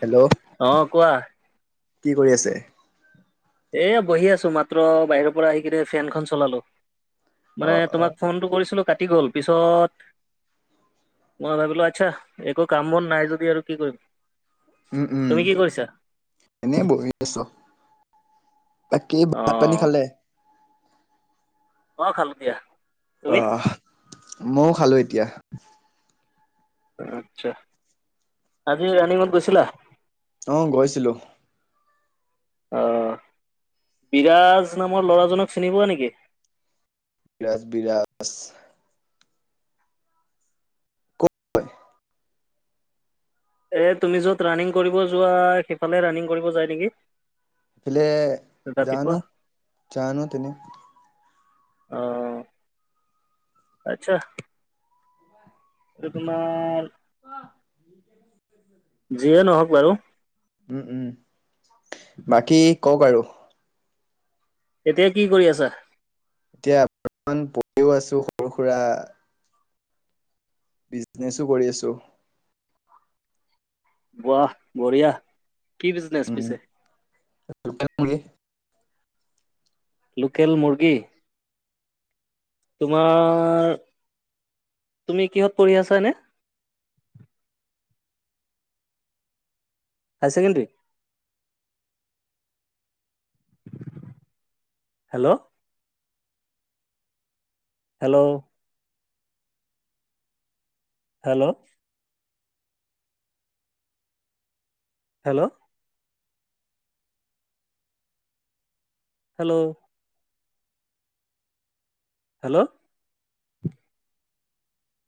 Hello, অ কোৱা কি কৰি আছে? এই বহি আছো মাত্ৰ বাহিৰৰ পৰা আহি কিনে ফেনখন চলালো। অ মানে অ তোমাক ফোনটো কৰিছিলো কাটি গ'ল পিছত- মই ভাবিলো আচ্ছা একো কাম বন নাই যদি আৰু কি কৰিম। উম উম, তুমি কি কৰিছা এনেই বহি আছো। বাকী ভাত পানী অ খালে? অ খালো দিয়া। তুমি আহ, ময়ও খালো এতিয়া। আচ্ছা, আজি ৰাণীগত গৈছিলা। অ গৈছিলো। অঁহ, বিৰাজ নামৰ ল'ৰাজনক চিনি পোৱা নেকি? বিৰা বিৰাজ- হয়। এ তুমি য'ত ৰানিং কৰিব যোৱা সেইফালে ৰানিং কৰিব যায় নেকি। এফালে ৰাতিপুৱা জানু, জানো তেনে- অ, আচ্ছা। সেইটো তোমাৰ- আহ। যিয়ে নহওক বাৰু। উম উম, বাকী কওক আৰু? এতিয়া কি কৰি আছা? এতিয়া অকমান পৰিঢ়িও আছো সৰু সুৰা। বিজনেচো কৰি আছো। বোৱা, বঢ়িয়া। কি বিজনেচ উম, পিছে লোকেল মুৰ্গী। লোকেল মৰ্গী। তোমাৰ, কিহত পঢ়ি আছা নে? হাইকেডী- hello. Hello. Hello. Hello. Hello. Hello.